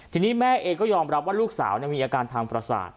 ทีนี้แม่เองก็ยอมรับว่าลูกสาวมีอาการทางประสาท